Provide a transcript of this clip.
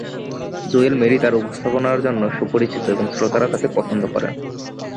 জুয়েল মেরি তাঁর উপস্থাপনার জন্য সুপরিচিত এবং শ্রোতারা তাঁকে পছন্দ করেন।